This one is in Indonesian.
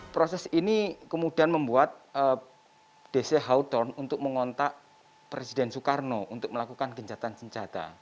proses ini kemudian membuat dc houton untuk mengontak presiden soekarno untuk melakukan gencatan senjata